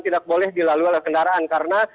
tidak boleh dilalui oleh kendaraan karena